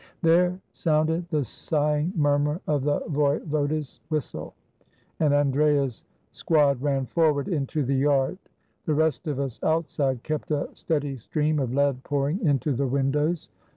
There sounded the sighing murmur of the voivode's whistle, and Andrea's squad ran forward into the yard ; the rest of us, outside, kept a steady stream of lead pour ing into the windows.